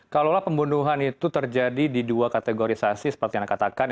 kalaulah pembunuhan itu terjadi di dua kategorisasi seperti anda katakan